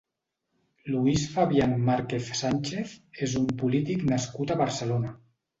Luis Fabian Marquez Sanchez és un polític nascut a Barcelona.